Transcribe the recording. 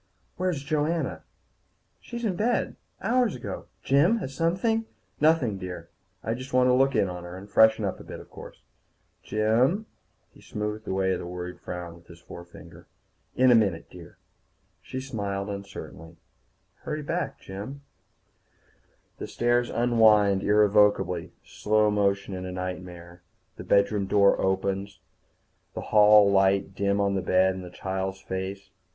"Where's Joanna?" "She's in bed. Hours ago. Jim, has something ?" "Nothing, dear. I just want to look in on her. And freshen up a bit, of course." "Jim " He smoothed away the worried frown with his forefinger. "In a minute, dear." She smiled uncertainly. "Hurry back, Jim." The stairs unwind irrevocably, slow motion in a nightmare. The bedroom door opens, the hall light dim on the bed and the child's face.